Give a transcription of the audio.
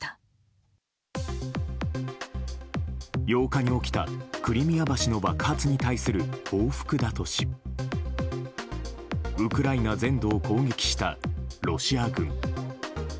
８日に起きた、クリミア橋の爆発に対する報復だとしウクライナ全土を攻撃したロシア軍。